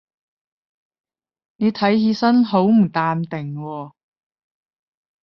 你睇起身好唔淡定喎